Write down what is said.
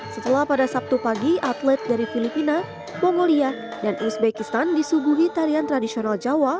setelah pada sabtu pagi atlet dari filipina mongolia dan uzbekistan disuguhi tarian tradisional jawa